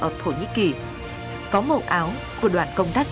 ở thổ nhĩ kỳ có màu áo của đoàn công tác